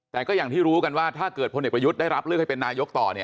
แต่ก็อย่างที่รู้กันว่าถ้าเกิดพลเอกประยุทธ์ได้รับเลือกให้เป็นนายกต่อ